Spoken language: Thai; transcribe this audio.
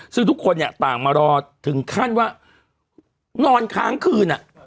ซึ่งทุกคนเนี่ยต่างมารอถึงขั้นว่านอนค้างคืน